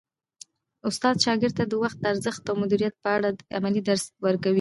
استاد شاګرد ته د وخت د ارزښت او مدیریت په اړه عملي درس ورکوي.